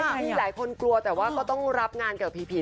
มีหลายคนกลัวแต่ว่าก็ต้องรับงานกับผี